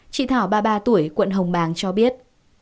chị thảo ba mươi ba tuổi quận hồng bàng cho biết